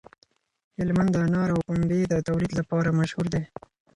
هلمند د انارو او پنبې د تولید لپاره مشهور دی.